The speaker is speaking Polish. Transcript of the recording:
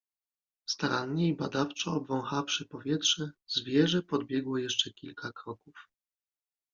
Starannie i badawczo obwąchawszy powietrze, zwierzę podbiegło jeszcze kilka kroków.